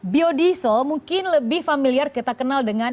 biodiesel mungkin lebih familiar kita kenal dengan